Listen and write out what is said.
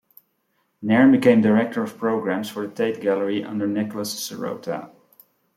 Nairne became Director of Programmes for the Tate Gallery under Nicholas Serota.